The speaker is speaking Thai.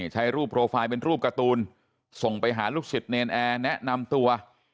ใช้รูปโปรไฟล์เป็นรูปการ์ตูนส่งไปหาลูกศิษย์เนรนแอร์แนะนำตัว